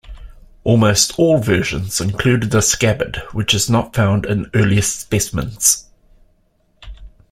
Almost all versions included a scabbard, which is not found in earliest specimens.